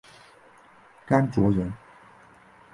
甘卓人。